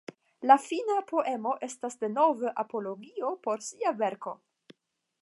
La fina poemo estas denove apologio por sia verko.